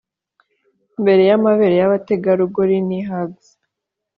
mbere yamabere yabategarugori ni hags